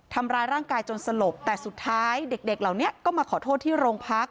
ทำร้ายร่างกายจนสลบแต่สุดท้ายเด็กเหล่านี้ก็มาขอโทษที่โรงพัก